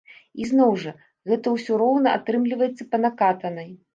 І зноў жа, гэта ўсё роўна атрымліваецца па накатанай.